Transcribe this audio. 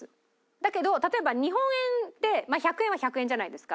だけど例えば日本円で１００円は１００円じゃないですか。